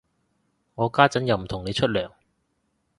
我家陣又唔同你出糧